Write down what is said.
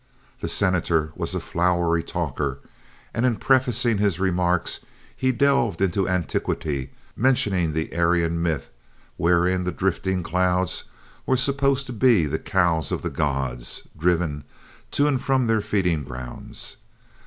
The Senator was a flowery talker, and in prefacing his remarks he delved into antiquity, mentioning the Aryan myth wherein the drifting clouds were supposed to be the cows of the gods, driven to and from their feeding grounds.